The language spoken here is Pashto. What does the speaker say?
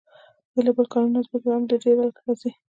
بیلابیل کانونه او ځمکه هم په دې ډله کې راځي.